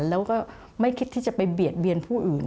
แล้วก็ไม่คิดที่จะไปเบียดเบียนผู้อื่น